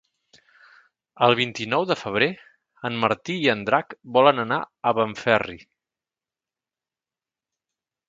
El vint-i-nou de febrer en Martí i en Drac volen anar a Benferri.